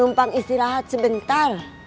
numpang istirahat sebentar